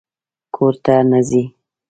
_کور ته نه ځې؟